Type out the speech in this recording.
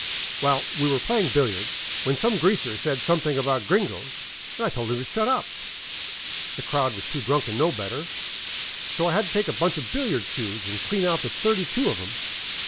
" Well, we were playing billiards, when some greaser said some thing about gringos, and I told him to shut up. The crowd was too drunk to know better, so I had to take a bunch of billiard cues and clean out the thirty two of them.